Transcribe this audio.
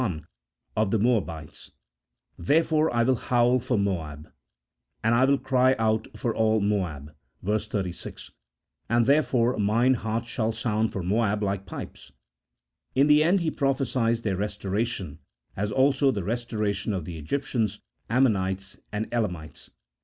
31) of the Moabites, " Therefore will I howl for Moab, and I will cry out for all Moab" (verse 36), " and therefore mine heart shall sound for Moab like pipes ;" in the end he prophesies their restoration, as also the restoration of the Egyptians, Am monites, and Elamites.